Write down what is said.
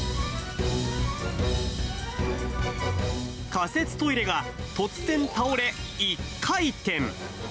仮設トイレが突然倒れ、１回転。